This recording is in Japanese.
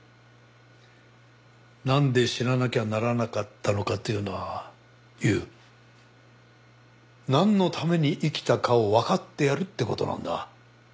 なんで死ななきゃならなかったのかというのは悠なんのために生きたかをわかってやるって事なんだ。